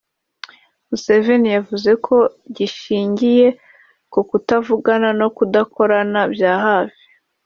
Museveni yavuze ko gishingiye ku kutavugana no kudakorana bya hafi